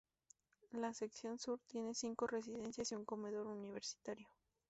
La Sección Sur tiene cinco residencias y un comedor universitario.